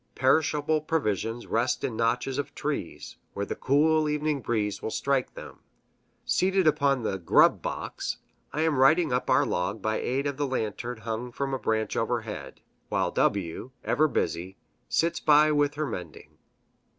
Perishable provisions rest in notches of trees, where the cool evening breeze will strike them. Seated upon the "grub" box, I am writing up our log by aid of the lantern hung from a branch overhead, while W , ever busy, sits by with her mending.